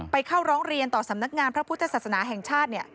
เข้าร้องเรียนต่อสำนักงานพระพุทธศาสนาแห่งชาติ